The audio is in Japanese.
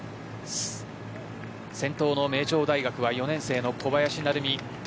先頭の名城大学は４年生の小林成美。